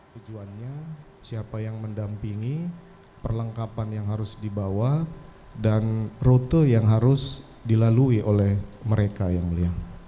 tujuannya siapa yang mendampingi perlengkapan yang harus dibawa dan rute yang harus dilalui oleh mereka yang mulia